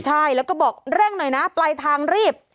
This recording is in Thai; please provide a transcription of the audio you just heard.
ใช่แล้วก็บอกเร่งหน่อยนะปลายทางรีบ